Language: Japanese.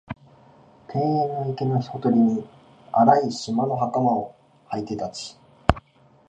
庭園の池のほとりに、荒い縞の袴をはいて立ち、